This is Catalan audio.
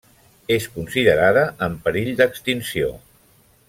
És considerada en perill d'extinció.